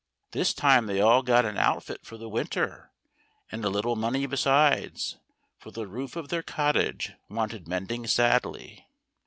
This time they all got an outfit for the winter, and a little money besides, for the roof of their cottage wanted mending sadly.